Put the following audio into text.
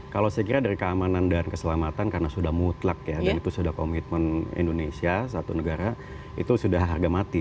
kalau saya kira dari keamanan dan keselamatan karena sudah mutlak ya dan itu sudah komitmen indonesia satu negara itu sudah harga mati